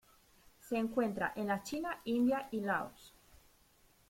Se encuentra en la China, India y Laos.